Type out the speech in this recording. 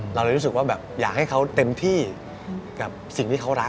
เราเลยรู้สึกว่าแบบอยากให้เขาเต็มที่กับสิ่งที่เขารัก